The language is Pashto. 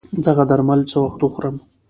دغه درمل څه وخت وخورم